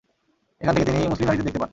এখান থেকে তিনি মুসলিম নারীদের দেখতে পান।